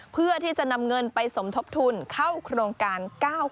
เพื่อที่จะนำเงินไปสมทบทุนเข้าโครงการ๙๙